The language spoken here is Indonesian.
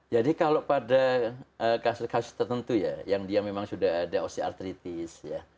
jadi kalau pada kasus kasus tertentu ya yang dia memang sudah ada osteoartritis ya